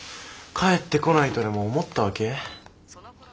帰ってこないとでも思ったわけ？